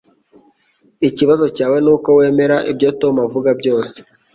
Ikibazo cyawe nuko wemera ibyo Tom avuga byose